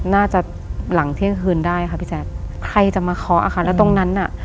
น่าจะหลังเที่ยงคืนได้ค่ะพี่แจ๊คใครจะมาเคาะค่ะแล้วตรงนั้นน่ะ